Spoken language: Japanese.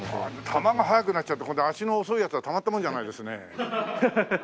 球が速くなっちゃうと今度は足の遅いヤツはたまったもんじゃないですね。